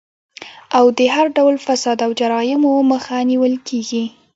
او د هر ډول فساد او جرايمو مخه نيول کيږي